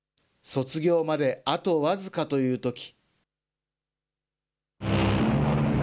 卒業まであと僅かというとき。